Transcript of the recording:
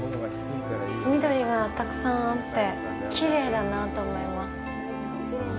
緑がたくさんあってきれいだなと思います。